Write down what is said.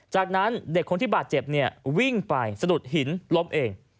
จากนั้นเด็กคนที่บาดเจ็บเนี่ยวิ่งไปสะดุดหินล้มเอง